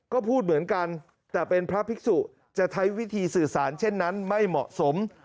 ก็พูดเหมือนกันแต่เป็นพระภิกษุจะใช้วิธีสื่อสารเช่นนั้นไม่เหมาะสม